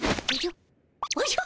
おじゃ？